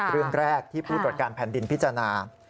เรื่องแรกที่ผู้ตรวจการแผ่นดินพิจารณา